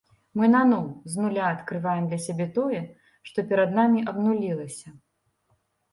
Мы наноў, з нуля адкрываем для сябе тое, што перад намі абнулілася.